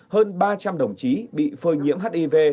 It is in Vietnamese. hơn ba trăm linh đồng chí bị phơi nhiễm hiv